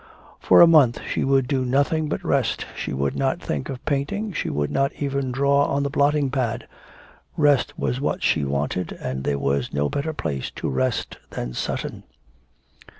For a month she would do nothing but rest, she would not think of painting, she would not even draw on the blotting pad. Rest was what she wanted, and there was no better place to rest than Sutton.